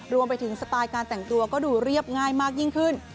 รวมไปถึงสไตล์การแต่งตัวก็ดูเรียบง่ายมากยิ่งขึ้น